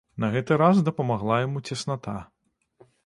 На гэты раз дапамагла яму цесната.